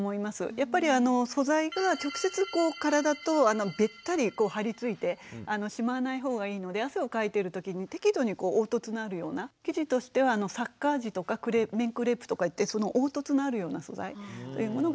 やっぱりあの素材が直接体とべったり張り付いてしまわない方がいいので汗をかいてる時に適度に凹凸のあるような生地としてはサッカー地とか綿クレープとかいって凹凸のあるような素材というものがいいと思います。